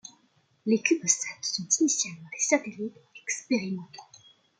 Les CubeSats sont initialement des satellites expérimentaux.